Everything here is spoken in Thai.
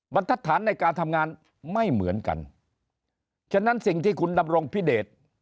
บรรทัศน์ในการทำงานไม่เหมือนกันฉะนั้นสิ่งที่คุณดำรงพิเดช